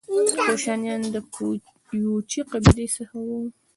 کوشانیان د یوچي قبیلې څخه وو